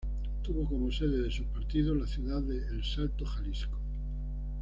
Tuvo como sede de sus partidos la ciudad de El Salto, Jalisco.